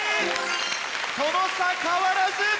その差変わらず！